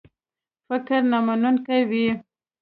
فکر نامنونکی وي.